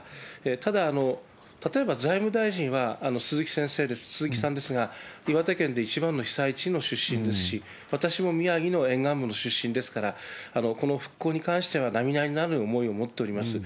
ただ、例えば財務大臣は鈴木先生、鈴木さんですが、岩手県で一番の被災地の出身ですし、私も宮城の沿岸部の出身ですから、この復興に際してはなみなみならぬ思いを持っております。